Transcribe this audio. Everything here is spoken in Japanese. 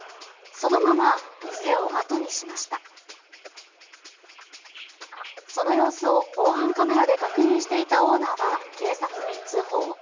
その様子を防犯カメラで確認していたオーナーは警察に通報。